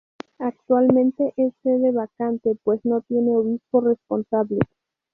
Actualmente es sede vacante pues no tiene obispo responsable.